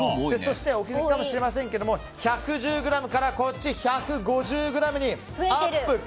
そしてお気づきかもしれませんが１１０ｇからこっちは１５０ｇにアップ